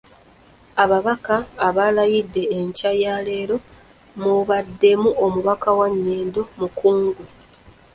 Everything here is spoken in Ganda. Ababaka abalayidde enkya ya leero mubaddemu Omubaka wa Nnyendo, Mukungwe.